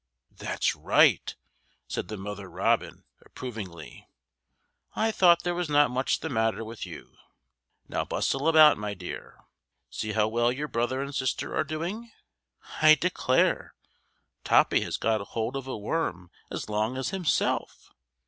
"That's right!" said the mother robin, approvingly. "I thought there was not much the matter with you. Now bustle about, my dear! See how well your brother and sister are doing! I declare, Toppy has got hold of a worm as long as himself.